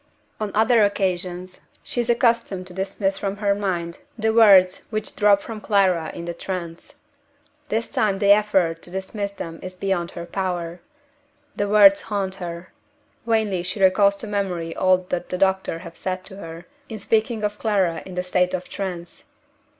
On other occasions, she is accustomed to dismiss from her mind the words which drop from Clara in the trance. This time the effort to dismiss them is beyond her power. The words haunt her. Vainly she recalls to memory all that the doctors have said to her, in speaking of Clara in the state of trance.